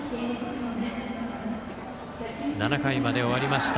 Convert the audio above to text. ７回まで終わりました